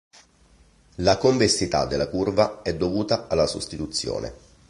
La convessità della curva è dovuta alla sostituzione.